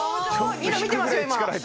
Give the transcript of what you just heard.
ニノ見てますよ今。